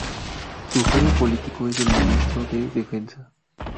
Su jefe político es el Ministro de Defensa.